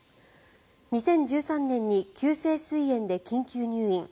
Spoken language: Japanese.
２０１３年に急性すい炎で緊急入院。